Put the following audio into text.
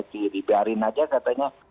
jadi diberi saja katanya